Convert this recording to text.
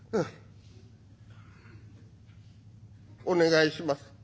「お願いします。